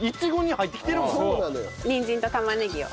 にんじんと玉ねぎを。